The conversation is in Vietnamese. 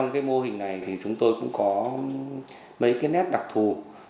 chúng tôi cũng có mấy cái nét đặc thù